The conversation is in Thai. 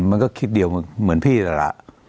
มันก็คิดเดียวเหมือนพี่แล้วล่ะ